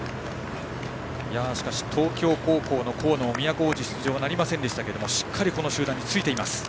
しかし東京高校の河野は都大路出場はなりませんでしたがしっかりこの集団についています。